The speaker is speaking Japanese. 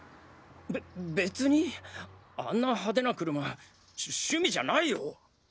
べ別にあんな派手な車しゅっ趣味じゃないよ。